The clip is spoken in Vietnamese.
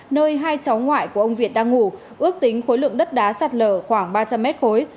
nơi hai cháu ngoại của ông việt đang ngủ ước tính khối lượng đất đá sạt lở khoảng ba trăm linh mét khối